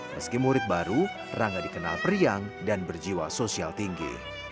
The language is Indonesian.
meski murid baru rangga dikenal periang dan berjiwa sosial tinggi